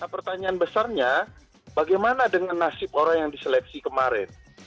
pertanyaan besarnya bagaimana dengan nasib orang yang diseleksi kemarin